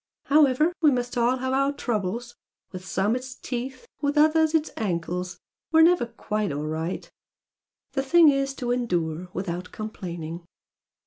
However, we must all have our troubles! with some it's teeth with others it's ankles we're never QUITE all right! The thing is to endure without complaining!"